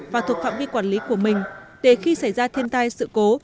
và thuộc phạm vi quản lý của mình để khi xảy ra thiên tai sự cố